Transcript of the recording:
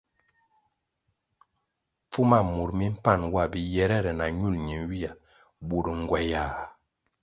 Pfuma mur mi mpan wa biyere na ñul ñenywia bur ngywayah.